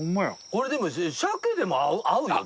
これでもさけでも合うよ絶対。